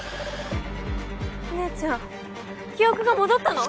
お姉ちゃん記憶が戻ったの？